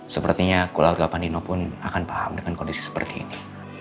sepertinya keluarga panino pun akan paham dengan kondisi seperti ini